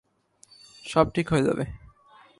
সব ঠিক হয়ে যাবে।